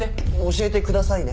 「教えてください」ね。